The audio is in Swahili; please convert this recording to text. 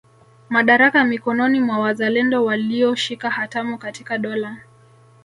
Madaraka mikononi mwa wazalendo walioshika hatamu katika dola